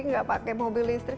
nggak pakai mobil listrik